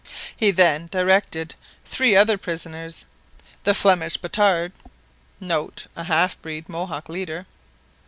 He then directed three other prisoners, the Flemish Batard [Footnote: A half breed Mohawk leader.